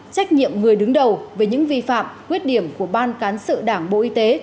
trách nhiệm người đứng đầu về những vi phạm khuyết điểm của ban cán sự đảng bộ y tế